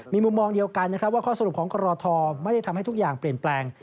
มีมุมมองเดียวกันนะครับว่าข้อสรุปของกรทไม่ได้ทำให้ทุกอย่างเปลี่ยนแปลง